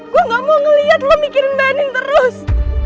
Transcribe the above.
gue gak mau ngeliat lo mikirin banding terus